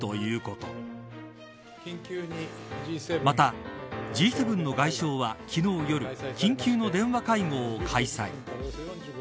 また、Ｇ７の外相は昨日の夜緊急の電話会合を開催。